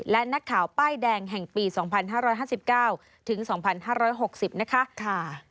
และนักข่าวป้ายแดงแห่งปี๒๕๕๙ถึง๒๕๖๐นะคะ